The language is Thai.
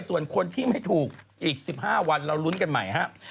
ส่วนคนที่ไม่ถูกอีก๑๕วันเรารุ้นกันใหม่ครับ